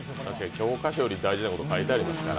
教科書より大事なこと書いてありますから。